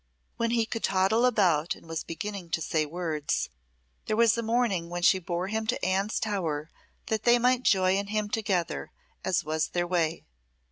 When he could toddle about and was beginning to say words, there was a morning when she bore him to Anne's tower that they might joy in him together, as was their way.